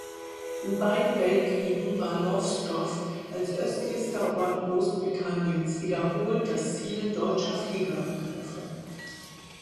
In beiden Weltkriegen war Lowestoft als östlichster Ort Großbritanniens wiederholt das Ziel deutscher Fliegerangriffe.